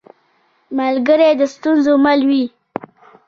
ملګری د ستونزو مل وي